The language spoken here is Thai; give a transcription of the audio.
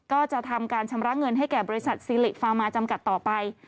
ก็จะทำการชำระเงินให้แก่บริษัทซีริฟามาจำกัดต่อไป